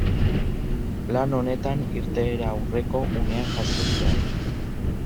Lan honetan irteera aurreko unea jaso zuen.